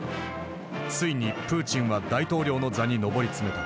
ついにプーチンは大統領の座に上り詰めた。